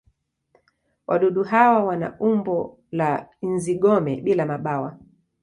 Wadudu hawa wana umbo wa nzi-gome bila mabawa.